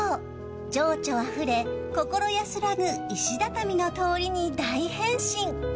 情緒あふれ心安らぐ石畳の通りに大変身。